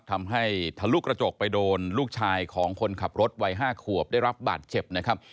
ทะลุกระจกไปโดนลูกชายของคนขับรถวัย๕ขวบได้รับบาดเจ็บนะครับ